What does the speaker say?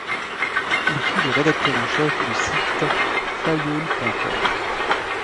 Il fut le rédacteur en chef du site Phayul.com.